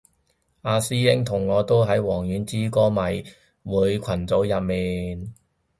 阿師兄同我都喺王菀之歌迷會群組入面